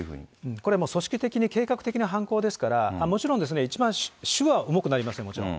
これはもう組織的に計画的な犯行ですから、もちろんですね、一番、主は重くなりますよ、もちろん。